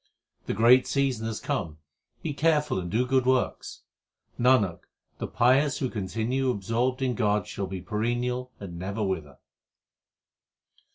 The great season hath come, be careful and do good works. Nanak, the pious who continue absorbed in God shall be perennial and never wither.